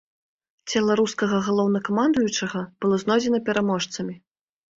Цела рускага галоўнакамандуючага было знойдзена пераможцамі.